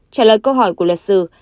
trả lời câu hỏi của luật sư